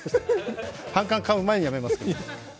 反感を買う前にやめます。